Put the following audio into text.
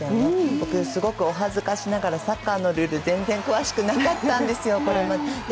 僕、すごくお恥ずかしながらサッカーのルール全然詳しくなかったんですよ、これまで。